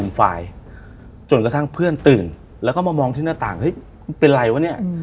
ไฟล์จนกระทั่งเพื่อนตื่นแล้วก็มามองที่หน้าต่างเฮ้ยเป็นไรวะเนี่ย